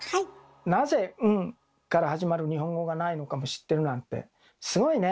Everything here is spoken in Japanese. なぜ「ん」から始まる日本語がないのかも知ってるなんてすごいね！